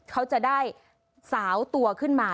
เขาจะได้สาวตัวขึ้นมา